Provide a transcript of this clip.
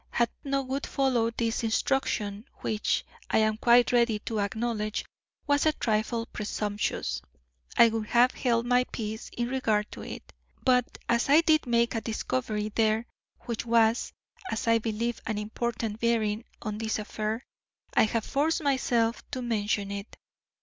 Had no good followed this intrusion, which, I am quite ready to acknowledge, was a trifle presumptuous, I would have held my peace in regard to it; but as I did make a discovery there, which has, as I believe, an important bearing on this affair, I have forced myself to mention it.